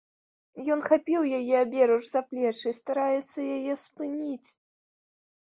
Ён хапіў яе аберуч за плечы і стараецца яе спыніць.